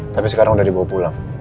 tapi sekarang udah dibawa pulang